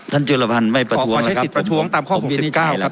ท่านจุลภัณฑ์ไม่ประท้วงขอใช้สิทธิ์ประท้วงตามข้อหกสิบเก้าครับ